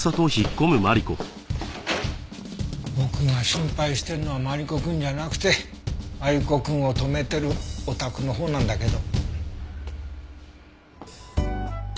僕が心配してるのはマリコくんじゃなくてマリコくんを泊めてるお宅のほうなんだけど。